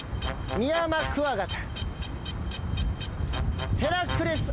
ミヤマクワガタ。